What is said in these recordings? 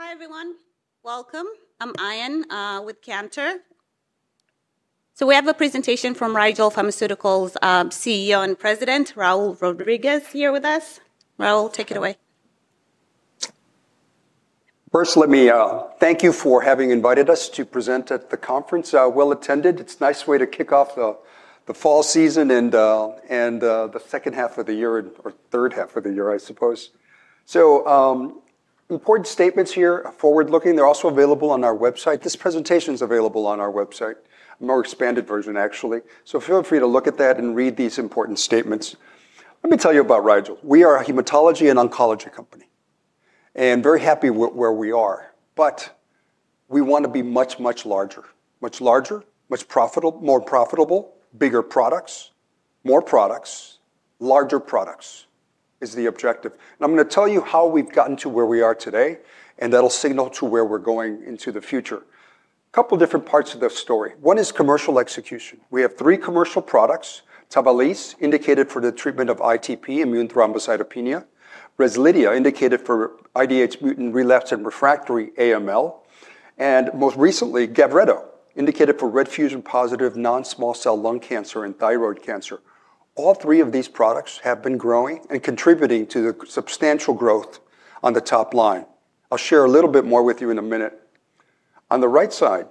Hi, everyone. Welcome. I'm Ayan, with Cantor. We have a presentation from Rigel Pharmaceuticals, CEO and President, Raul Rodriguez, here with us. Raul, take it away. First, let me thank you for having invited us to present at the conference, well attended. It's a nice way to kick off the fall season and the second half of the year or third half of the year, I suppose. Important statements here, forward-looking. They're also available on our website. This presentation is available on our website, a more expanded version, actually. Feel free to look at that and read these important statements. Let me tell you about Rigel. We are a hematology and oncology company and very happy with where we are, but we want to be much, much larger. Much larger, much more profitable, bigger products, more products, larger products is the objective. I'm going to tell you how we've gotten to where we are today, and that'll signal to where we're going into the future. A couple of different parts of the story. One is commercial execution. We have three commercial products: TAVALISSE, indicated for the treatment of ITP, immune thrombocytopenia; REZLIDHIA, indicated for IDH1-mutant relapsed/refractory acute myeloid leukemia; and most recently, GAVRETO, indicated for RET fusion-positive non-small cell lung cancer and thyroid cancer. All three of these products have been growing and contributing to the substantial growth on the top line. I'll share a little bit more with you in a minute. On the right side,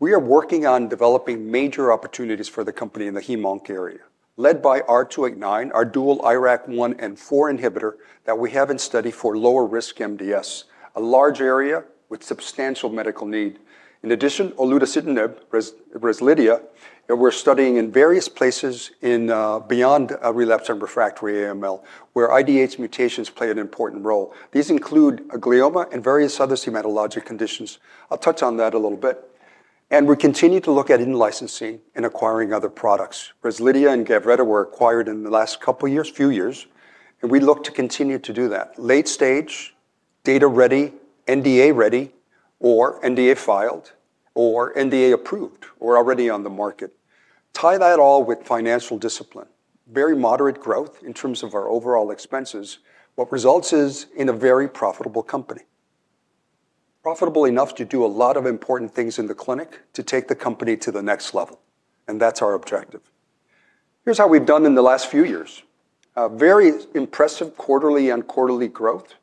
we are working on developing major opportunities for the company in the Hem-Onc area, led by R289, our dual IRAK1/4 inhibitor that we have in study for lower-risk myelodysplastic syndromes, a large area with substantial medical need. In addition, olutasidenib, REZLIDHIA, and we're studying in various places beyond relapsed/refractory acute myeloid leukemia, where IDH1 mutations play an important role. These include glioma and various other hematologic conditions. I'll touch on that a little bit. We continue to look at in-licensing and acquiring other products. REZLIDHIA and GAVRETO were acquired in the last couple of years, a few years, and we look to continue to do that. Late stage, data ready, NDA ready, or NDA filed, or NDA approved, or already on the market. Tie that all with financial discipline. Very moderate growth in terms of our overall expenses. What results is in a very profitable company. Profitable enough to do a lot of important things in the clinic to take the company to the next level. That's our objective. Here's how we've done in the last few years. A very impressive quarterly and quarterly growth.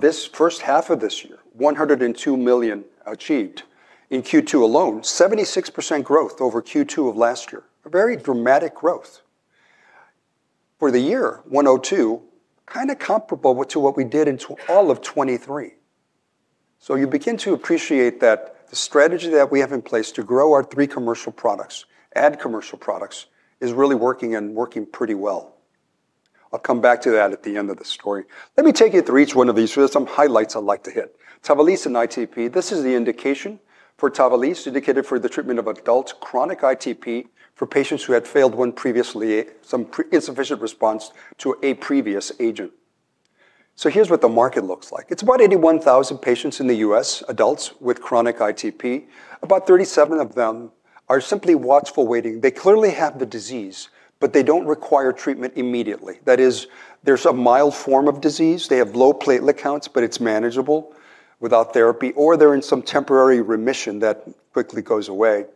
This first half of this year, $102 million achieved. In Q2 alone, 76% growth over Q2 of last year. A very dramatic growth. For the year, $102 million, kind of comparable to what we did in all of 2023. You begin to appreciate that the strategy that we have in place to grow our three commercial products, add commercial products, is really working and working pretty well. I'll come back to that at the end of the story. Let me take you through each one of these. There are some highlights I'd like to hit. TAVALISSE in ITP, this is the indication for TAVALISSE indicated for the treatment of adult chronic ITP for patients who had failed one previously, some insufficient response to a previous agent. Here's what the market looks like. It's about 81,000 patients in the U.S., adults with chronic ITP. About 37,000 of them are simply watchful waiting. They clearly have the disease, but they don't require treatment immediately. That is, there's a mild form of disease. They have low platelet counts, but it's manageable without therapy, or they're in some temporary remission that quickly goes away.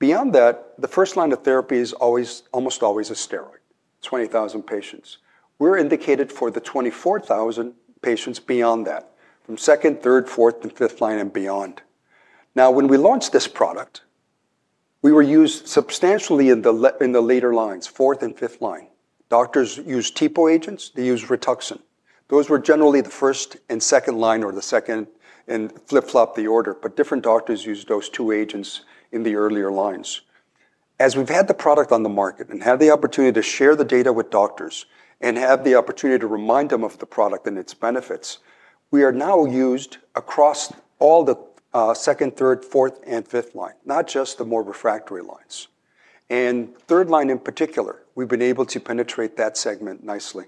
Beyond that, the first line of therapy is almost always a steroid, 20,000 patients. We're indicated for the 24,000 patients beyond that, from 2nd, 3rd, 4th, and 5th line and beyond. When we launched this product, we were used substantially in the later lines, 4th and 5th line. Doctors use TPO agents. They use Rituxan. Those were generally the 1st and 2nd line or the second and flip-flop the order, but different doctors use those two agents in the earlier lines. As we've had the product on the market and had the opportunity to share the data with doctors and had the opportunity to remind them of the product and its benefits, we are now used across all the 2nd, 3rd, 4th, and 5th line, not just the more refractory lines. 3rd line in particular, we've been able to penetrate that segment nicely.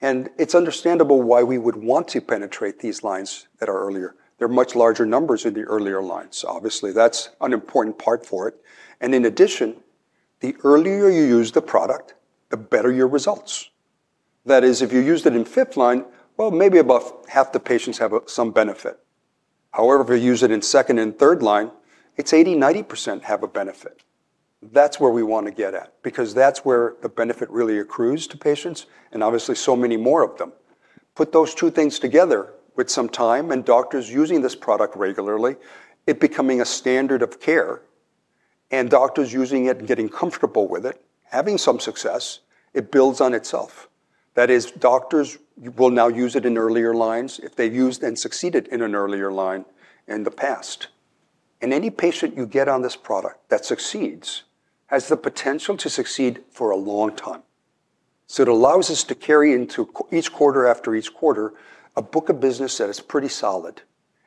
It's understandable why we would want to penetrate these lines that are earlier. There are much larger numbers in the earlier lines. Obviously, that's an important part for it. In addition, the earlier you use the product, the better your results. That is, if you use it in 5th line, maybe about half the patients have some benefit. However, if you use it in 2nd and 3rd line, it's 80%, 90% have a benefit. That's where we want to get at because that's where the benefit really accrues to patients and obviously so many more of them. Put those two things together with some time and doctors using this product regularly, it becoming a standard of care, and doctors using it and getting comfortable with it, having some success, it builds on itself. That is, doctors will now use it in earlier lines if they've used and succeeded in an earlier line in the past. Any patient you get on this product that succeeds has the potential to succeed for a long time. It allows us to carry into each quarter after each quarter a book of business that is pretty solid.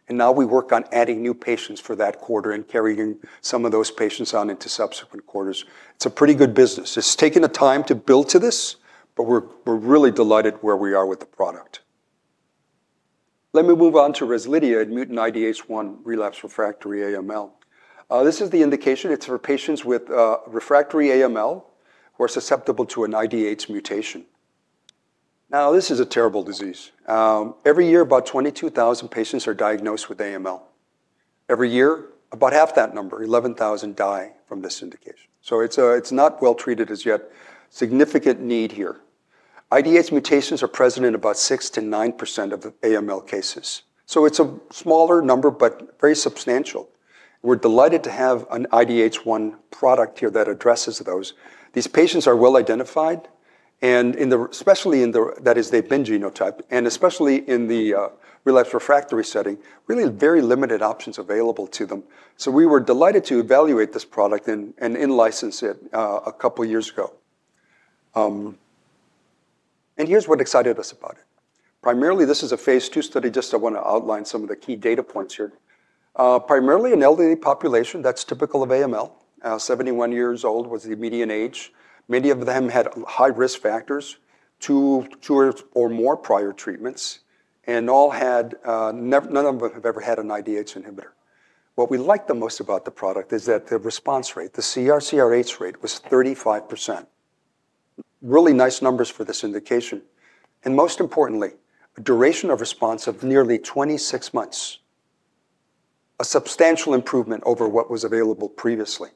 Now we work on adding new patients for that quarter and carrying some of those patients on into subsequent quarters. It's a pretty good business. It's taken the time to build to this, but we're really delighted where we are with the product. Let me move on to REZLIDHIA in IDH1-mutant relapsed/refractory AML. This is the indication. It's for patients with refractory AML or susceptible to an IDH mutation. This is a terrible disease. Every year, about 22,000 patients are diagnosed with AML. Every year, about half that number, 11,000, die from this indication. It's not well treated as yet. Significant need here. IDH mutations are present in about 6%- 9% of the AML cases. It's a smaller number, but very substantial. We're delighted to have an IDH1 product here that addresses those. These patients are well identified, and especially in the, that is, the bind genotype, and especially in the relapsed/refractory setting, really very limited options available to them. We were delighted to evaluate this product and in-license it a couple of years ago. Here's what excited us about it. Primarily, this is Phase 2 study. I want to outline some of the key data points here. Primarily an elderly population that's typical of AML. 71 years old was the median age. Many of them had high risk factors, two or more prior treatments, and none of them have ever had an IDH inhibitor. What we liked the most about the product is that the response rate, the CR+CRh rate, was 35%. Really nice numbers for this indication. Most importantly, a duration of response of nearly 26 months. A substantial improvement over what was available previously.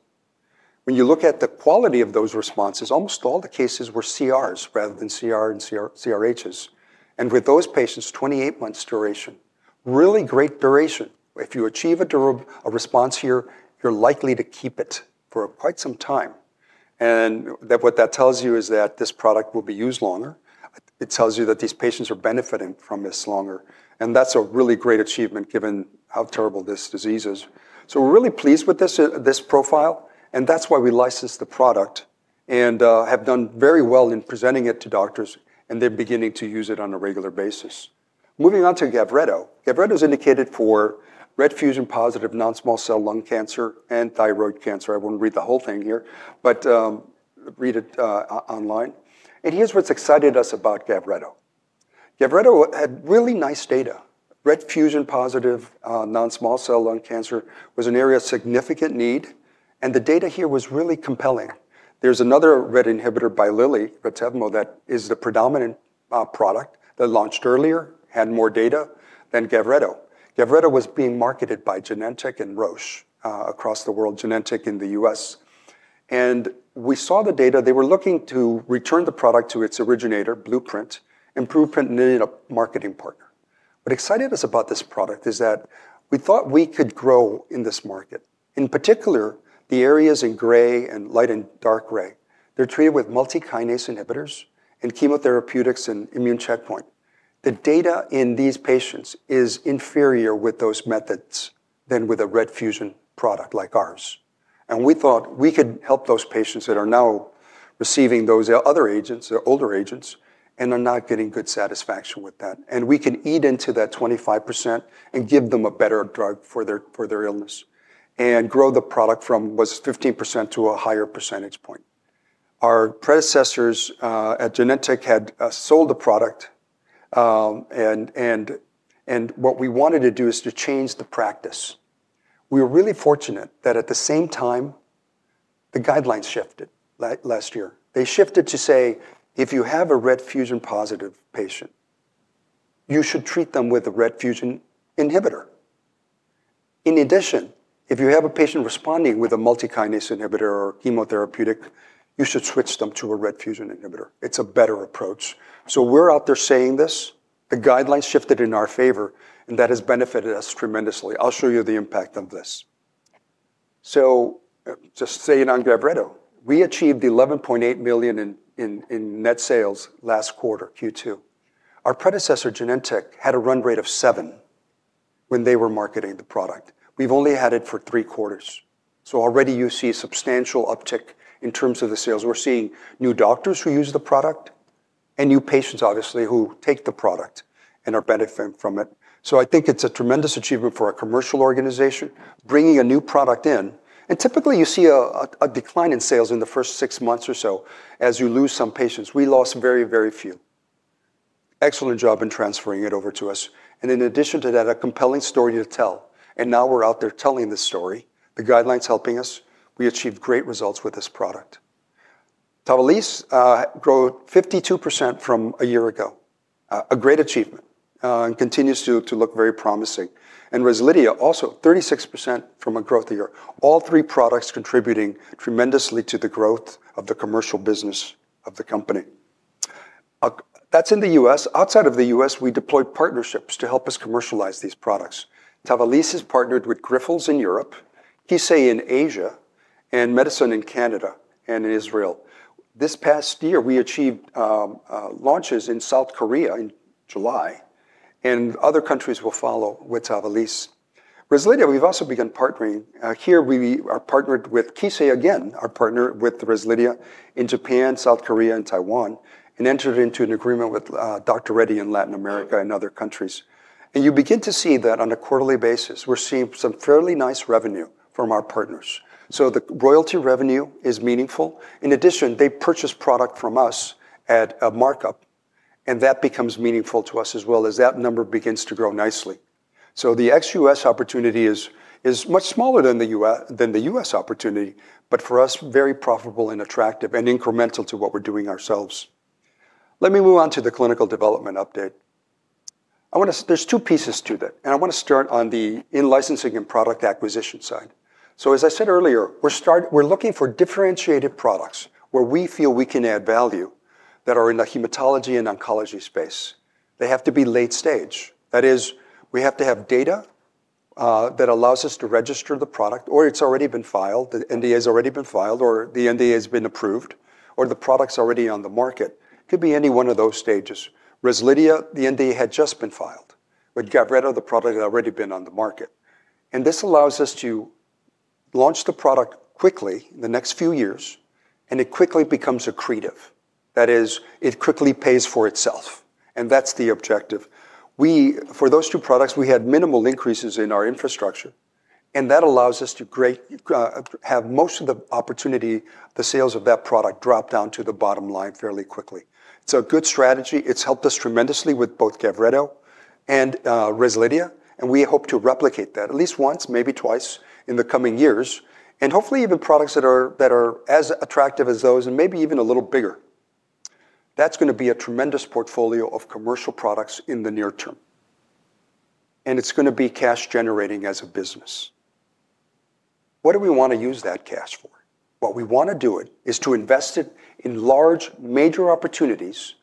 When you look at the quality of those responses, almost all the cases were CRs rather than CR and CRhs. With those patients, 28 months duration. Really great duration. If you achieve a response here, you're likely to keep it for quite some time. What that tells you is that this product will be used longer. It tells you that these patients are benefiting from this longer. That's a really great achievement given how terrible this disease is. We're really pleased with this profile. That's why we licensed the product and have done very well in presenting it to doctors, and they're beginning to use it on a regular basis. Moving on to GAVRETO. GAVRETO is indicated for RET fusion-positive non-small cell lung cancer and thyroid cancer. I won't read the whole thing here, but read it online. Here's what's excited us about GAVRETO. GAVRETO had really nice data. RET fusion-positive non-small cell lung cancer was an area of significant need, and the data here was really compelling. There's another RET inhibitor by Lilly, Retevmo, that is the predominant product that launched earlier and had more data than GAVRETO. GAVRETO was being marketed by Genentech and Roche across the world, Genentech in the U.S. We saw the data. They were looking to return the product to its originator, Blueprint, and Blueprint needed a marketing partner. What excited us about this product is that we thought we could grow in this market. In particular, the areas in gray and light and dark gray are treated with multi-kinase inhibitors and chemotherapeutics and immune checkpoint. The data in these patients is inferior with those methods than with a RET fusion product like ours. We thought we could help those patients that are now receiving those other agents, the older agents, and are not getting good satisfaction with that. We can eat into that 25% and give them a better drug for their illness and grow the product from 15% to a higher percentage point. Our predecessors at Genentech had sold the product, and what we wanted to do is to change the practice. We were really fortunate that at the same time, the guidelines shifted last year. They shifted to say, if you have a RET fusion-positive patient, you should treat them with a RET fusion inhibitor. In addition, if you have a patient responding with a multi-kinase inhibitor or chemotherapeutic, you should switch them to a RET fusion inhibitor. It's a better approach. We're out there saying this. The guidelines shifted in our favor, and that has benefited us tremendously. I'll show you the impact of this. Just staying on GAVRETO, we achieved $11.8 million in net sales last quarter, Q2. Our predecessor, Genentech, had a run rate of seven when they were marketing the product. We've only had it for three quarters. Already you see substantial uptick in terms of the sales. We're seeing new doctors who use the product and new patients, obviously, who take the product and are benefiting from it. I think it's a tremendous achievement for a commercial organization bringing a new product in. Typically, you see a decline in sales in the first six months or so as you lose some patients. We lost very, very few. Excellent job in transferring it over to us. In addition to that, a compelling story to tell. Now we're out there telling this story. The guidelines are helping us. We achieved great results with this product. TAVALISSE grew 52% from a year ago. A great achievement and continues to look very promising. REZLIDHIA also 36% from a growth of a year. All three products contributing tremendously to the growth of the commercial business of the company. That's in the U.S. Outside of the U.S., we deploy partnerships to help us commercialize these products. TAVALISSE has partnered with Grifols in Europe, Kissei in Asia, and Medison in Canada, and in Israel. This past year, we achieved launches in South Korea in July, and other countries will follow with TAVALISSE. REZLIDHIA, we've also begun partnering. Here, we are partnered with Kissei again, our partner with REZLIDHIA in Japan, South Korea, and Taiwan, and entered into an agreement with Dr. Reddy's in Latin America and other countries. You begin to see that on a quarterly basis, we're seeing some fairly nice revenue from our partners. The royalty revenue is meaningful. In addition, they purchase product from us at a markup, and that becomes meaningful to us as well as that number begins to grow nicely. The ex-U.S. opportunity is much smaller than the U.S. opportunity, but for us, very profitable and attractive and incremental to what we're doing ourselves. Let me move on to the clinical development update. There are two pieces to that, and I want to start on the in-licensing and product acquisition side. As I said earlier, we're looking for differentiated products where we feel we can add value that are in the hematology and oncology space. They have to be late stage. That is, we have to have data that allows us to register the product, or it's already been filed, the NDA has already been filed, or the NDA has been approved, or the product's already on the market. It could be any one of those stages. REZLIDHIA, the NDA had just been filed, but GAVRETO, the product had already been on the market. This allows us to launch the product quickly in the next few years, and it quickly becomes accretive. That is, it quickly pays for itself. That's the objective. For those two products, we had minimal increases in our infrastructure, and that allows us to have most of the opportunity, the sales of that product drop down to the bottom line fairly quickly. It's a good strategy. It's helped us tremendously with both GAVRETO and REZLIDHIA, and we hope to replicate that at least once, maybe twice in the coming years, and hopefully even products that are as attractive as those and maybe even a little bigger. That's going to be a tremendous portfolio of commercial products in the near term. It's going to be cash-generating as a business. What do we want to use that cash for? What we want to do is to invest it in large major opportunities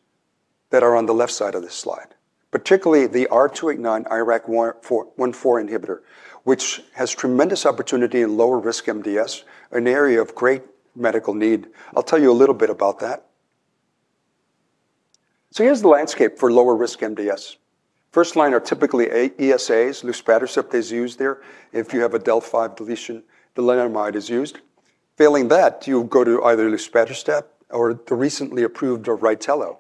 that are on the left side of this slide, particularly the R289 dual IRAK1/4 inhibitor, which has tremendous opportunity in lower-risk MDS, an area of great medical need. I'll tell you a little bit about that. Here's the landscape for lower-risk MDS. 1st line are typically ESAs, luspatercept is used there. If you have a del(5q) deletion, lenalidomide is used. Failing that, you go to either luspatercept or the recently approved RYTELO.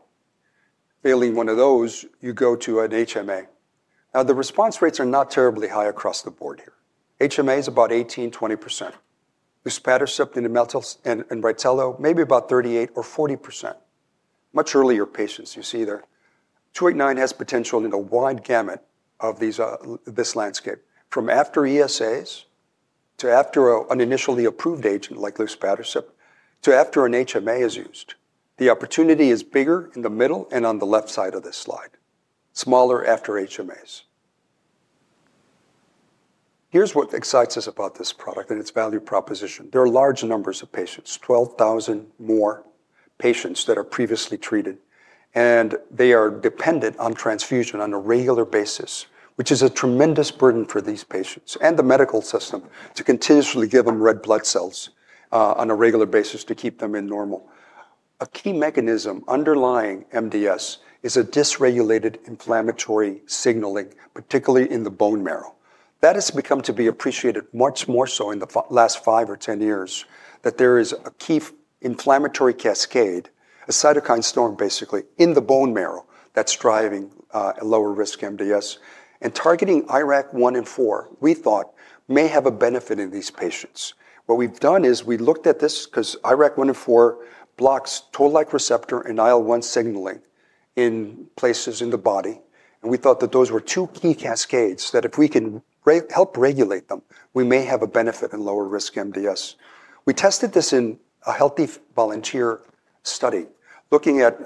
Failing one of those, you go to an HMAs. The response rates are not terribly high across the board here. HMAs is about 18%, 20%. Luspatercept, imetelstat, and RYTELO may be about 38% or 40%. Much earlier patients you see there. R289 has potential in a wide gamut of this landscape, from after ESAs to after an initially approved agent like luspatercept, to after an HMA is used. The opportunity is bigger in the middle and on the left side of this slide, smaller after HMAs. Here's what excites us about this product and its value proposition. There are large numbers of patients, 12,000 or more patients that are previously treated, and they are dependent on transfusion on a regular basis, which is a tremendous burden for these patients and the medical system to continuously give them red blood cells on a regular basis to keep them in normal. A key mechanism underlying MDS is a dysregulated inflammatory signaling, particularly in the bone marrow. That has become to be appreciated much more so in the last five or ten years, that there is a key inflammatory cascade, a cytokine storm basically, in the bone marrow that's driving a lower-risk MDS. Targeting IRAK1/ 4, we thought, may have a benefit in these patients. What we've done is we looked at this because IRAK1/ 4 blocks toll-like receptor and IL-1 signaling in places in the body. We thought that those were two key cascades that if we can help regulate them, we may have a benefit in lower-risk MDS. We tested this in a healthy volunteer study, looking at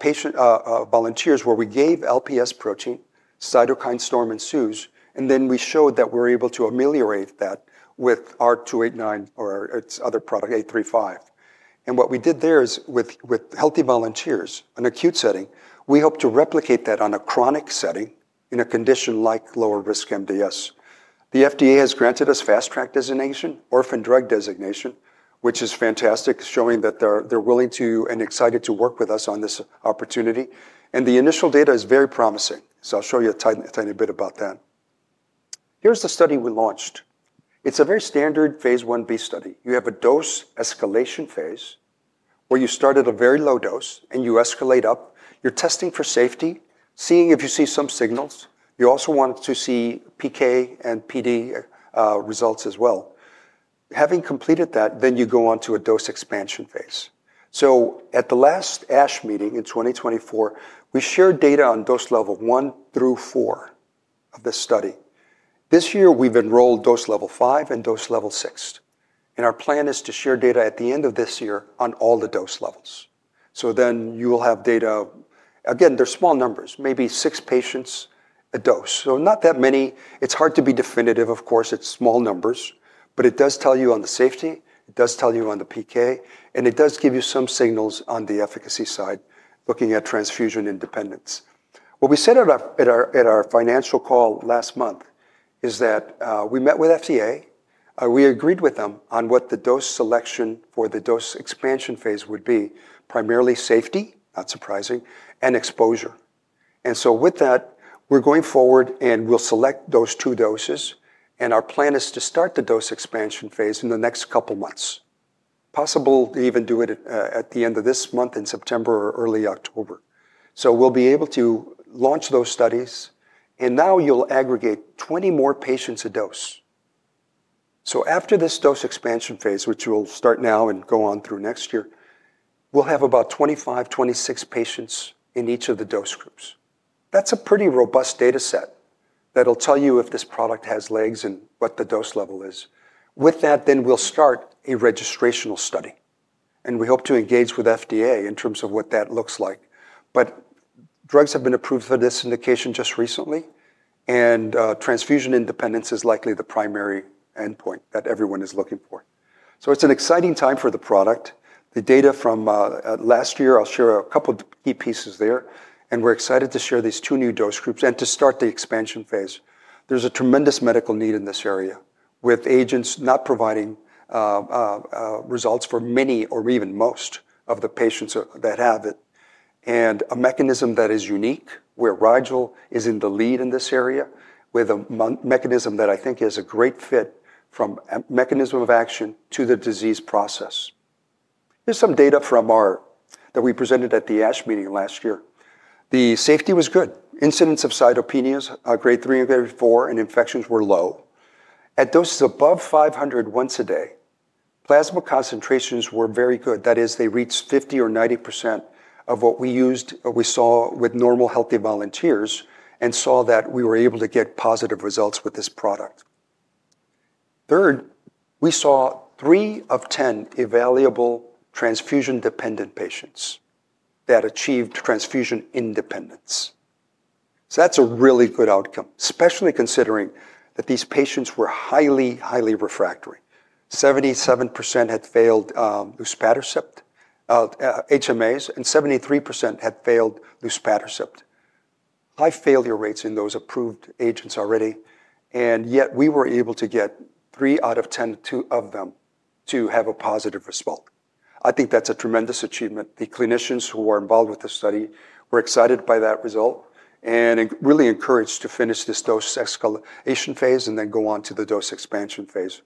patient volunteers where we gave LPS protein, cytokine storm ensues. We showed that we're able to ameliorate that with R289 or its other product, 835. What we did there is with healthy volunteers in an acute setting, we hope to replicate that in a chronic setting in a condition like lower-risk MDS. The FDA has granted us fast track designation, orphan drug designation, which is fantastic, showing that they're willing to and excited to work with us on this opportunity. The initial data is very promising. I'll show you a tiny bit about that. Here's the study we launched. It's a very standard Phase 1b study. You have a dose escalation phase where you start at a very low dose and you escalate up. You're testing for safety, seeing if you see some signals. You also want to see PK and PD results as well. Having completed that, you go on to a dose expansion phase. At the last ASH meeting in 2024, we shared data on dose level one through four of this study. This year, we've enrolled dose level five and dose level six. Our plan is to share data at the end of this year on all the dose levels. You will have data. They're small numbers, maybe six patients a dose. Not that many. It's hard to be definitive. Of course, it's small numbers, but it does tell you on the safety. It does tell you on the PK, and it does give you some signals on the efficacy side, looking at transfusion independence. What we said at our financial call last month is that we met with FDA. We agreed with them on what the dose selection or the dose expansion phase would be, primarily safety, not surprising, and exposure. With that, we're going forward and we'll select those two doses. Our plan is to start the dose expansion phase in the next couple of months, possible to even do it at the end of this month in September or early October. We'll be able to launch those studies. You'll aggregate 20 more patients a dose. After this dose expansion phase, which will start now and go on through next year, we'll have about 25, 26 patients in each of the dose groups. That's a pretty robust data set that'll tell you if this product has legs and what the dose level is. With that, we'll start a registrational study. We hope to engage with FDA in terms of what that looks like. Drugs have been approved for this indication just recently. Transfusion independence is likely the primary endpoint that everyone is looking for. It's an exciting time for the product. The data from last year, I'll share a couple of key pieces there. We're excited to share these two new dose groups and to start the expansion phase. There's a tremendous medical need in this area with agents not providing results for many or even most of the patients that have it. A mechanism that is unique where Rigel is in the lead in this area with a mechanism that I think is a great fit from a mechanism of action to the disease process. Here's some data that we presented at the ASH meeting last year. The safety was good. Incidence of cytopenias, grade 3 and grade 4, and infections were low. At doses above 500 mg once a day, plasma concentrations were very good. That is, they reached 50% or 90% of what we saw with normal healthy volunteers and saw that we were able to get positive results with this product. Third, we saw three of 10 evaluable transfusion-dependent patients that achieved transfusion independence. That's a really good outcome, especially considering that these patients were highly, highly refractory. 77% had failed luspatercept, HMAs, and 73% had failed luspatercept. High failure rates in those approved agents already, yet we were able to get three out of 10 of them to have a positive result. I think that's a tremendous achievement. The clinicians who were involved with the study were excited by that result and really encouraged to finish this dose escalation phase and then go on to the dose expansion phase.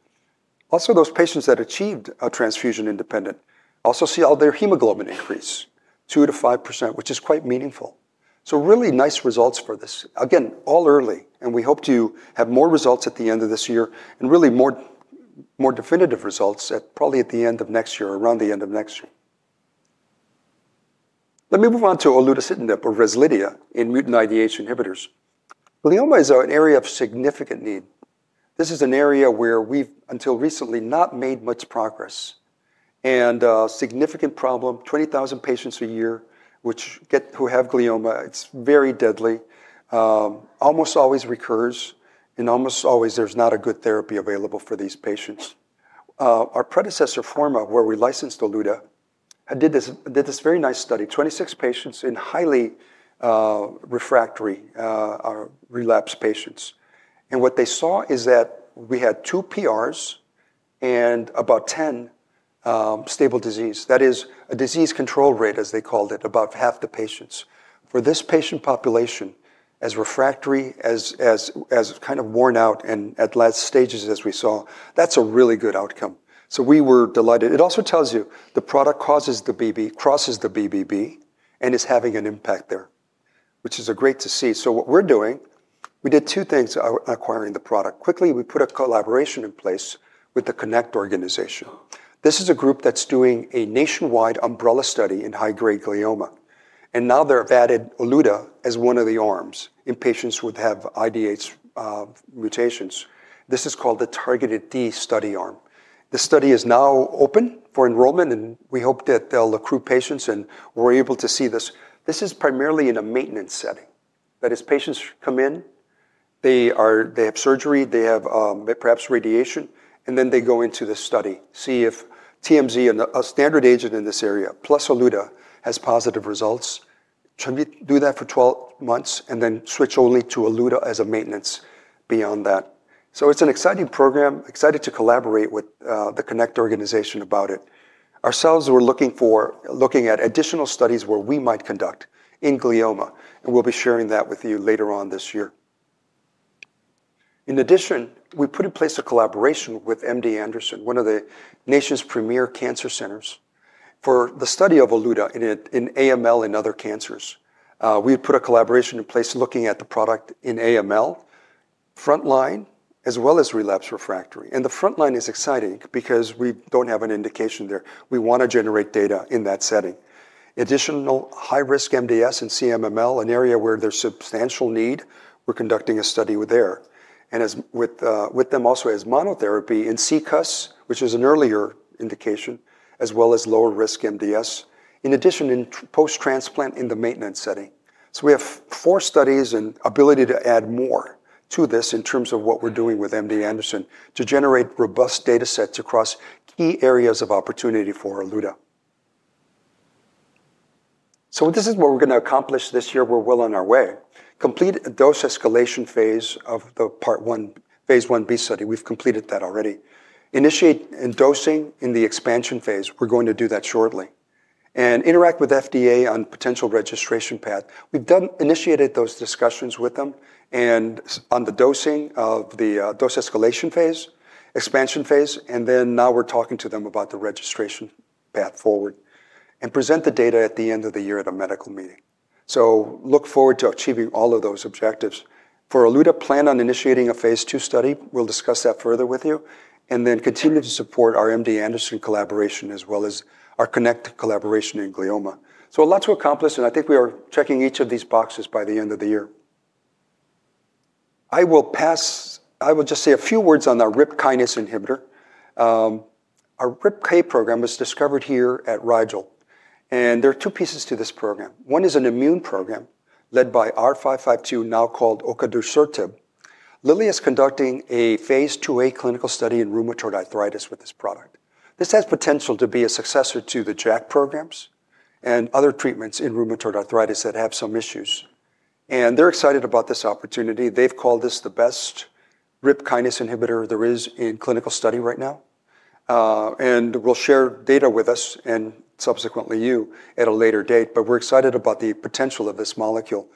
Those patients that achieved transfusion independence also see all their hemoglobin increase, 2%- 5%, which is quite meaningful. Really nice results for this. Again, all early. We hope to have more results at the end of this year and really more definitive results probably at the end of next year, around the end of next year. Let me move on to olutasidenib or REZLIDHIA in mutant IDH inhibitors. Glioma is an area of significant need. This is an area where we've, until recently, not made much progress. A significant problem, 20,000 patients a year who have glioma. It's very deadly. Almost always recurs. Almost always, there's not a good therapy available for these patients. Our predecessor, Pharma, where we licensed oluta, did this very nice study. 26 patients in highly refractory relapsed patients. What they saw is that we had two PRs and about 10 stable disease. That is a disease control rate, as they called it, about half the patients. For this patient population, as refractory, as kind of worn out, and at last stages, as we saw, that's a really good outcome. We were delighted. It also tells you the product crosses the BBB and is having an impact there, which is great to see. What we're doing, we did two things acquiring the product. Quickly, we put a collaboration in place with the CONNECT organization. This is a group that's doing a nationwide umbrella study in high-grade glioma. Now they've added oluta as one of the arms in patients who would have IDH mutations. This is called the Targeted D Study Arm. The study is now open for enrollment, and we hope that they'll accrue patients, and we're able to see this. This is primarily in a maintenance setting. That is, patients come in, they have surgery, they have perhaps radiation, and then they go into the study, see if TMZ, a standard agent in this area, plus oluta, has positive results. Can we do that for 12 months and then switch only to oluta as a maintenance beyond that? It's an exciting program. Excited to collaborate with the CONNECT organization about it. Ourselves, we're looking at additional studies where we might conduct in glioma, and we'll be sharing that with you later on this year. In addition, we put in place a collaboration with MD Anderson, one of the nation's premier cancer centers, for the study of oluta in AML and other cancers. We put a collaboration in place looking at the product in AML, frontline, as well as relapsed refractory. The frontline is exciting because we don't have an indication there. We want to generate data in that setting. Additional high-risk MDS and CMML, an area where there's substantial need, we're conducting a study there. With them also as monotherapy in CCUS, which is an earlier indication, as well as lower-risk MDS, in addition, in post-transplant in the maintenance setting. We have four studies and the ability to add more to this in terms of what we're doing with MD Anderson to generate robust data sets across key areas of opportunity for o luta. This is what we're going to accomplish this year. We're well on our way. Complete a dose escalation phase of the part one, Phase 1b study. We've completed that already. Initiate dosing in the expansion phase. We're going to do that shortly. Interact with FDA on potential registration path. We initiated those discussions with them on the dosing of the dose escalation phase, expansion phase, and now we're talking to them about the registration path forward and present the data at the end of the year at a medical meeting. Look forward to achieving all of those objectives. For oluta, plan on initiating a Phase 2 study. We'll discuss that further with you. Continue to support our MD Anderson collaboration as well as our CONNECT collaboration in glioma. A lot to accomplish, and I think we are checking each of these boxes by the end of the year. I will just say a few words on our RIP kinase inhibitor. Our RIPK program was discovered here at Rigel. There are two pieces to this program. One is an immune program led by R552, now called Ocadusertib. Lilly is conducting a Phase 2a clinical study in rheumatoid arthritis with this product. This has potential to be a successor to the JAK programs and other treatments in rheumatoid arthritis that have some issues. They're excited about this opportunity. They've called this the best RIP kinase inhibitor there is in clinical study right now. They'll share data with us and subsequently you at a later date. We're excited about the potential of this molecule.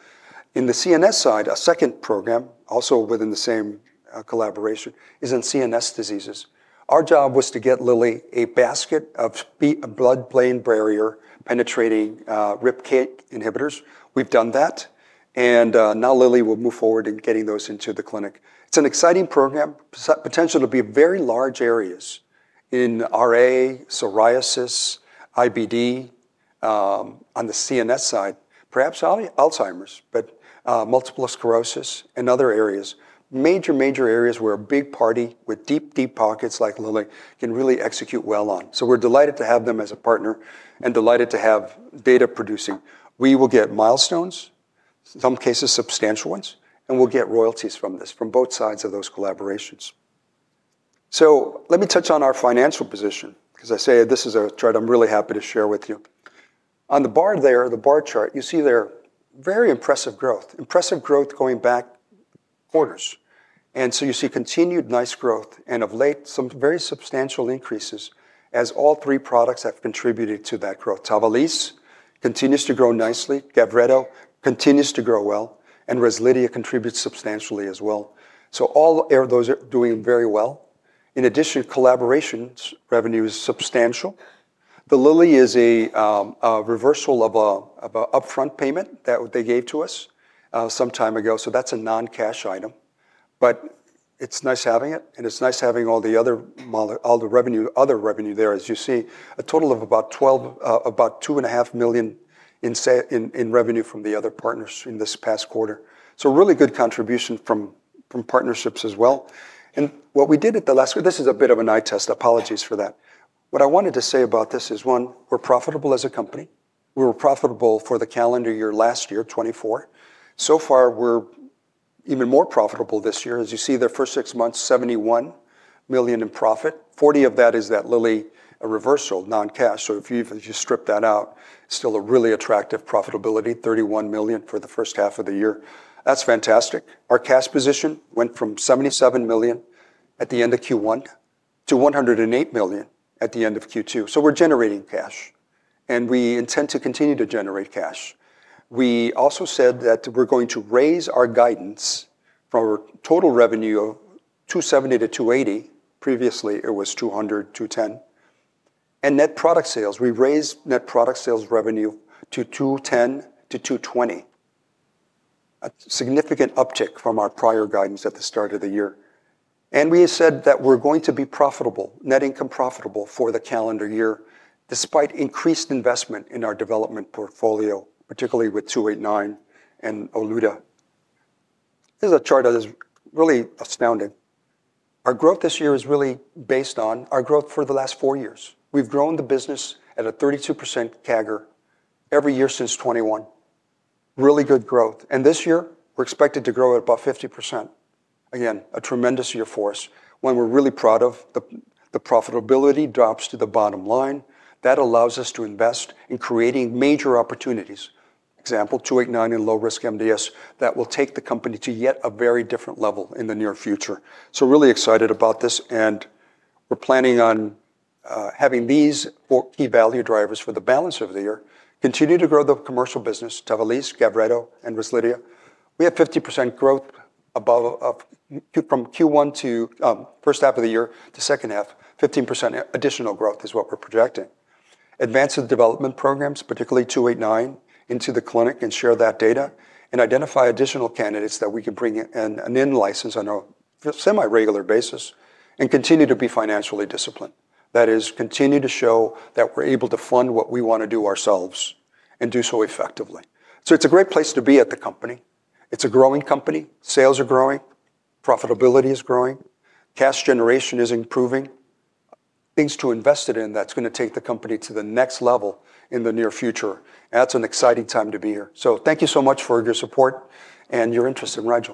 In the CNS side, a second program, also within the same collaboration, is in CNS diseases. Our job was to get Lilly a basket of blood-brain barrier penetrating RIPK inhibitors. We've done that. Now Lilly will move forward in getting those into the clinic. It's an exciting program. Potential to be very large areas in RA, psoriasis, IBD. On the CNS side, perhaps Alzheimer's, but multiple sclerosis and other areas, major, major areas where a big party with deep, deep pockets like Lilly can really execute well on. We're delighted to have them as a partner and delighted to have data producing. We will get milestones, in some cases substantial ones, and we'll get royalties from this, from both sides of those collaborations. Let me touch on our financial position because I say this is a chart I'm really happy to share with you. On the bar there, the bar chart, you see there very impressive growth, impressive growth going back quarters. You see continued nice growth and of late, some very substantial increases as all three products have contributed to that growth. TAVALISSE continues to grow nicely. GAVRETO continues to grow well. REZLIDHIA contributes substantially as well. All those are doing very well. In addition, collaboration revenue is substantial. The Lilly is a reversal of an upfront payment that they gave to us some time ago. That's a non-cash item. It's nice having it. It's nice having all the other revenue there, as you see, a total of about $12 million, about $2.5 million in revenue from the other partners in this past quarter. A really good contribution from partnerships as well. What we did at the last week, this is a bit of an eye test. Apologies for that. What I wanted to say about this is, one, we're profitable as a company. We were profitable for the calendar year last year, 2024. So far, we're even more profitable this year. As you see, the first six months, $71 million in profit. $40 million of that is that Lilly reversal, non-cash. If you strip that out, it's still a really attractive profitability, $31 million for the first half of the year. That's fantastic. Our cash position went from $77 million at the end of Q1 to $108 million at the end of Q2. We're generating cash. We intend to continue to generate cash. We also said that we're going to raise our guidance from our total revenue of $270 million- $280 million. Previously, it was $200 million, $210 million, and net product sales. We raised net product sales revenue to $210 million- $220 million. A significant uptick from our prior guidance at the start of the year. We said that we're going to be profitable, net income profitable for the calendar year, despite increased investment in our development portfolio, particularly with R289 and olutasidenib. This is a chart that is really astounding. Our growth this year is really based on our growth for the last four years. We've grown the business at a 32% CAGR every year since 2021. Really good growth. This year, we're expected to grow at about 50%. Again, a tremendous year for us. One we're really proud of, the profitability drops to the bottom line. That allows us to invest in creating major opportunities, for example, R289 and lower-risk MDS that will take the company to yet a very different level in the near future. Really excited about this. We're planning on having these four key value drivers for the balance of the year. Continue to grow the commercial business, TAVALISSE, GAVRETO, and REZLIDHIA. We had 50% growth from Q1 to the first half of the year to the second half. 15% additional growth is what we're projecting. Advance the development programs, particularly R289, into the clinic and share that data and identify additional candidates that we could bring in and then license on a semi-regular basis and continue to be financially disciplined. That is, continue to show that we're able to fund what we want to do ourselves and do so effectively. It's a great place to be at the company. It's a growing company. Sales are growing. Profitability is growing. Cash generation is improving. Things to invest in that's going to take the company to the next level in the near future. It's an exciting time to be here. Thank you so much for your support and your interest in Rigel.